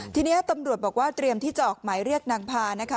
ทีนี้ตำรวจบอกว่าเตรียมที่จะออกหมายเรียกนางพานะคะ